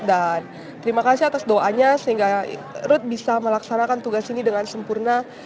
dan terima kasih atas doanya sehingga ruth bisa melaksanakan tugas ini dengan sempurna